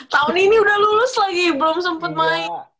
tahun ini udah lulus lagi belum sempat main